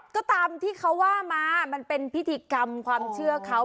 ก็ตามที่เขาว่ามามันเป็นพิธีกรรมความเชื่อเขา